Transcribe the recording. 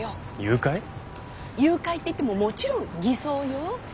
誘拐って言ってももちろん偽装よ。